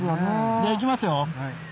じゃあ行きますよ。